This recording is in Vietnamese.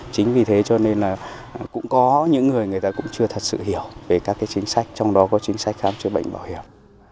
chính vì thế cho nên là cũng có những người người ta cũng chưa thật sự hiểu về các chính sách trong đó có chính sách khám chữa bệnh bảo hiểm